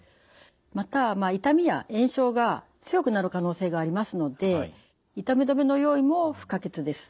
また痛みや炎症が強くなる可能性がありますので痛み止めの用意も不可欠です。